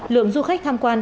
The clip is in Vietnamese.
lượng du khách tham quan